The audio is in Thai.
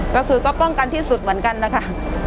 ก็คือก็ป้องกันที่สุดเหมือนกันนะคะ